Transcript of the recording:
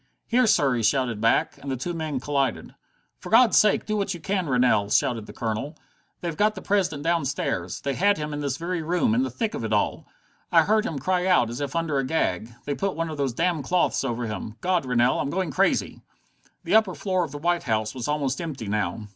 "Here, sir" he shouted back, and the two men collided. "For God's sake do what you can, Rennell!" shouted the Colonel. "They've got the President downstairs. They had him in this very room, in the thick of it all. I heard him cry out, as if under a gag. They put one of those damned cloths over him. God, Rennell, I'm going crazy!" The upper floor of the White House was almost empty now.